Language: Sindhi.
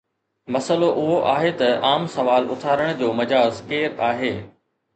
مسئلو اهو آهي ته عام سوال اٿارڻ جو مجاز ڪير آهي؟